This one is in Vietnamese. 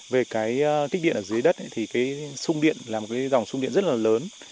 về cái kích điện ở dưới đất thì cái sung điện là một cái dòng sung điện rất là lớn